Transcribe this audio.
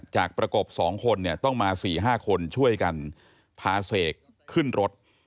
จากประกบสองคนต้องมาสี่ห้าคนช่วยกันพาเสกขึ้นรถ